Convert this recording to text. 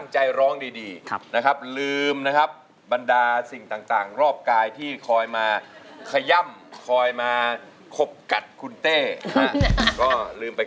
ใช้เลยครับถ้าไม่มั่นใจ